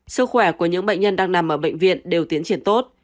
sức khỏe của những bệnh nhân đang nằm ở bệnh viện đều tiến triển tốt